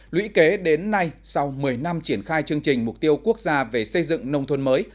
lũy kế đến nay sau một mươi năm triển khai chương trình mục tiêu quốc gia về xây dựng nông thôn mới